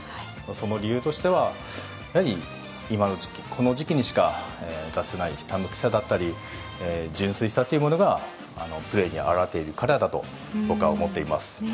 その理由としては今のこの時期にしか出せないひたむきさだったり純粋さというのがプレーに表れているからだと僕は思っています。